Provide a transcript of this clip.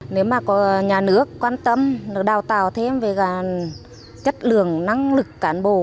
nếu mà có nhà nước quan tâm nó đào tạo thêm về chất lượng năng lực cán bộ